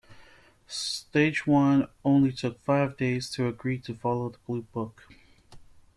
Stage I only took five days to agree to follow the Blue Book.